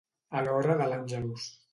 A l'hora de l'Àngelus.